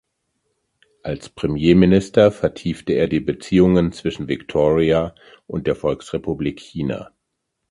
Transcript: Als Premierminister vertiefte er die Beziehungen zwischen Victoria und der Volksrepublik China.